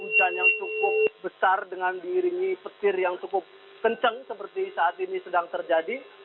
hujan yang cukup besar dengan diiringi petir yang cukup kencang seperti saat ini sedang terjadi